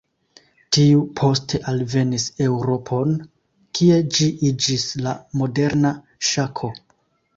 Tiu poste alvenis Eŭropon, kie ĝi iĝis la moderna Ŝako.